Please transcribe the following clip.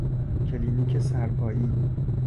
کلینیک سرپائی